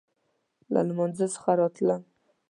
له لمانځه څخه راتلم.